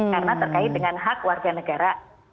karena terkait dengan hak warga negara